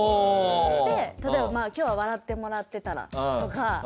で例えば今日は笑ってもらってたらとか。